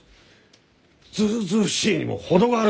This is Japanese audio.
ずずうずうしいにも程があるぞ！